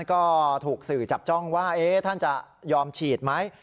ก็ถูกสื่อจับจ้องว่าท่านจะยอมฉีดไหม